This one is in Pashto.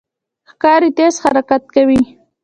ښکاري تېز حرکت کوي.